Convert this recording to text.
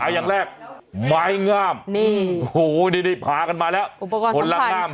อย่างแรกไม้งามนี่พากันมาแล้วอุปกรณ์สำคัญ